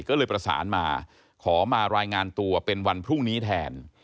ก็เลยประสานมาขอมารายงานตัวเป็นวันพรุ่งนี้แทน